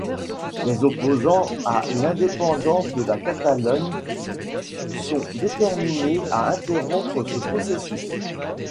Les opposants à l'indépendance de la Catalogne sont déterminés à interrompre ce processus.